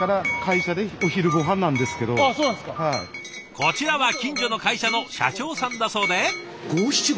こちらは近所の会社の社長さんだそうで。